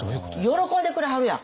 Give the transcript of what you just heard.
喜んでくれはるやん。